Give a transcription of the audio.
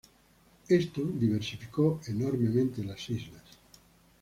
Esto diversificó enormemente las islas.